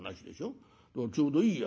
ちょうどいいや。